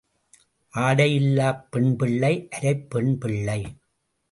ஆடை இல்லாப் பெண்பிள்ளை அரைப் பெண்பிள்ளை.